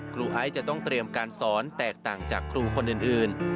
ไอซ์จะต้องเตรียมการสอนแตกต่างจากครูคนอื่น